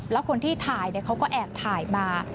แล้วคนที่ถ่ายเขาก็แอบถ่ายมา